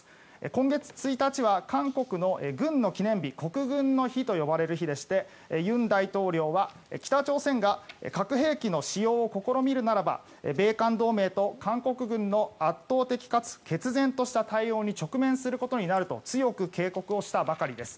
今月１日は韓国の軍の記念日国軍の日と呼ばれる日でして尹大統領は北朝鮮が核兵器の使用を試みるならば米韓同盟と韓国軍の圧倒的かつ決然とした対応に直面することになると強く警告をしたばかりです。